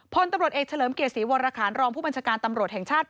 พลตำรวจเอกเฉลิมเกียรติศรีวรคารรองผู้บัญชาการตำรวจแห่งชาติ